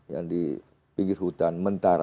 yang di pinggir hutan